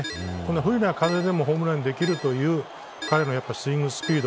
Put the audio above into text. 不利な風でもホームランにできる彼のスイングスピード。